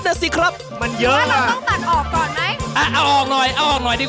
แต่เราต้องตัดออกก่อนไหม